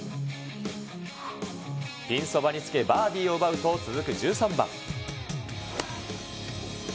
ピンそばにつけ、バーディーを奪うと続く１３番。